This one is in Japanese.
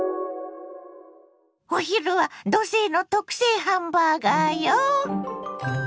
お昼は土星の特製ハンバーガーよ！